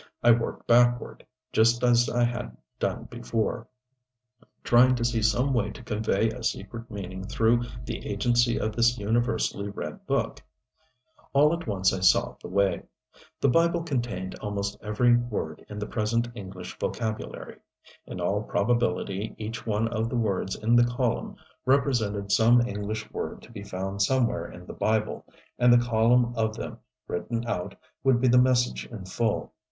I worked backward, just as I had done before, trying to see some way to convey a secret meaning through the agency of this universally read book. All at once I saw the way. The Bible contained almost every word in the present English vocabulary. In all probability each one of the words in the column represented some English word to be found somewhere in the Bible, and the column of them, written out, would be the message in full.